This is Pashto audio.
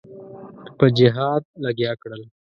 په جهاد لګیا کړل.